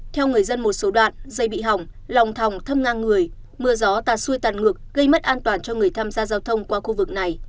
theo người dân một số đoạn dây bị hỏng lòng thòng thâm ngang người mưa gió tà xuôi tàn ngược gây mất an toàn cho người tham gia giao thông qua khu vực này